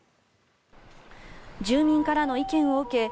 住民からの意見を受け